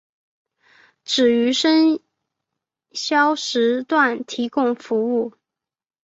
只于深宵时段提供服务。